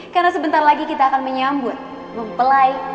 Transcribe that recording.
karena sebentar lagi kita akan menyambut mempelai